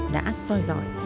đã soi dọi